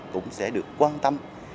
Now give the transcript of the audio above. cũng sẽ được quan tâm